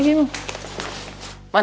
gak mau ketemu bulan